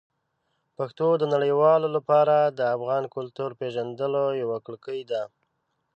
پښتو د نړیوالو لپاره د افغان کلتور پېژندلو یوه کړکۍ ده.